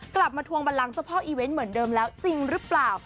กลับมาทวงบันลังเจ้าพ่ออีเวนต์เหมือนเดิมแล้วจริงหรือเปล่า